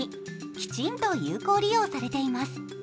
きちんと有効利用されています。